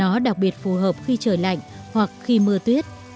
nó đặc biệt phù hợp khi trời lạnh hoặc khi mưa tuyết